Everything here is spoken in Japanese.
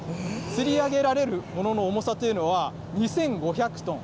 つり上げられるものの重さというのは、２５００トン。